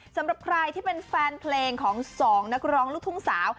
สำหรับใครที่เป็นแฟนเพลงของ๒นักร้องลูกทุ่งสาว